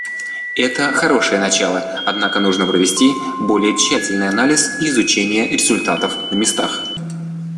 Это — хорошее начало, однако нужно провести более тщательный анализ и изучение результатов на местах.